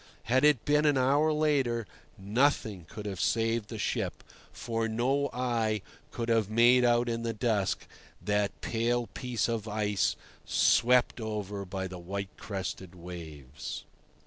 Had it been an hour later, nothing could have saved the ship, for no eye could have made out in the dusk that pale piece of ice swept over by the white crested waves.